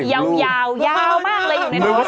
ยาวมากเลยอยู่ในโถสะครก